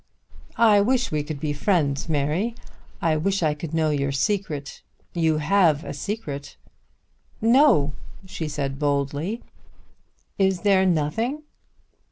"I wish we could be friends, Mary. I wish I could know your secret. You have a secret." "No," she said boldly. "Is there nothing?"